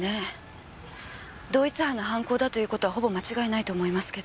同一犯の犯行だということはほぼ間違いないと思いますけど。